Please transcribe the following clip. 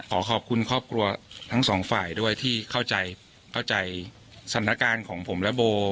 ขอขอบคุณครอบครัวทั้งสองฝ่ายด้วยที่เข้าใจเข้าใจสถานการณ์ของผมและโบ